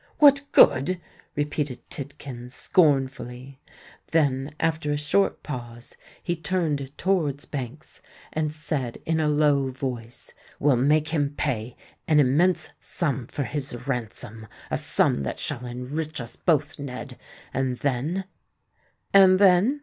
"What good!" repeated Tidkins, scornfully: then, after a short pause, he turned towards Banks, and said in a low voice, "We'll make him pay an immense sum for his ransom—a sum that shall enrich us both, Ned: and then——" "And then?"